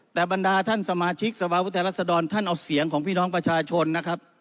แต่บรรดาท่านสมาชิกสภาพุทธรัศดรท่านเอาเสียงของพี่น้องประชาชนนะครับ